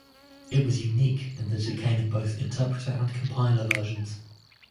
It was unique in that it came in both interpreter and compiler versions.